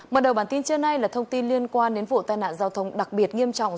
mở đầu bản tin trưa nay là thông tin liên quan đến vụ tai nạn giao thông đặc biệt nghiêm trọng